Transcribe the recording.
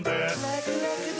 ラクラクだ！